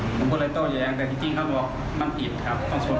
อืมผมก็เลยโตแย้งแต่ที่จริงเขาบอกมันผิดครับส่วนมกรม